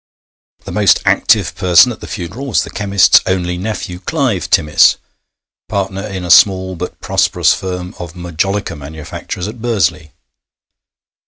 The most active person at the funeral was the chemist's only nephew, Clive Timmis, partner in a small but prosperous firm of majolica manufacturers at Bursley.